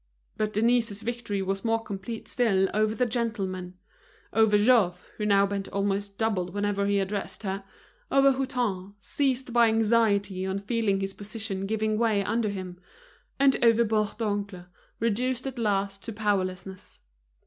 But Denise's victory was more complete still over the gentlemen; over Jouve, who now bent almost double whenever he addressed her; over Hutin, seized with anxiety on feeling his position giving way under him; and over Bourdoncle, reduced at last to powerlessness.